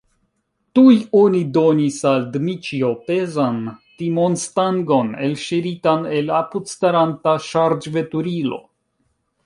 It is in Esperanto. Tuj oni donis al Dmiĉjo pezan timonstangon, elŝiritan el apudstaranta ŝarĝveturilo.